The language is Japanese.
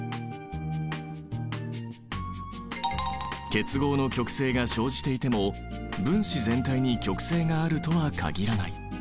結合の極性が生じていても分子全体に極性があるとは限らない。